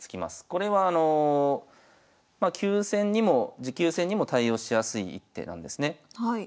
これはあの急戦にも持久戦にも対応しやすい一手なんですね。